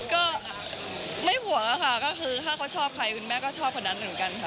ก็ไม่ห่วงค่ะก็คือถ้าเขาชอบใครคุณแม่ก็ชอบคนนั้นเหมือนกันค่ะ